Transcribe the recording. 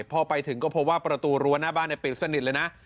พอไปถึงก็พบว่าประตูรั้วหน้าบ้านปิดสนิทเลยนะ